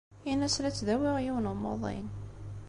Ini-as la ttdawiɣ yiwen n umuḍin.